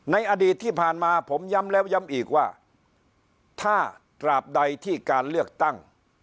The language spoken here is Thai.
ในอดีตที่ผ่านมาผมย้ำแล้วย้ำอีกว่าถ้าตราบใดที่การเลือกตั้ง